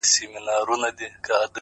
هر منزل د نوې موخې دروازه ده!.